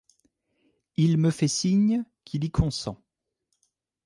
Il me fait signe qu’il y consent.